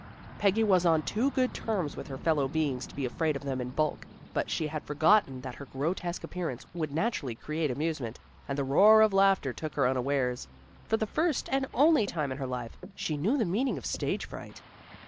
Peggy was on too good terms with her fellow beings to be afraid of them in bulk, but she had forgotten that her grotesque appearance would naturally create amusement, and the roar of laughter took her unawares. For the first and only time in her life, she knew the meaning of stage fright.